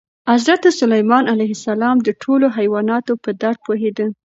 حضرت سلیمان علیه السلام د ټولو حیواناتو په درد پوهېده.